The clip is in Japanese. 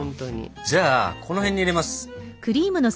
じゃあこの辺に入れます。